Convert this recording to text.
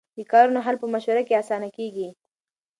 د کارونو حل په مشوره کې اسانه کېږي.